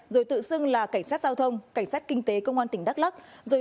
rồi tự xưng là cảnh sát giao thông cảnh sát kinh tế công an tỉnh đắk lắc rồi